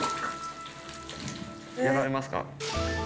やられますか？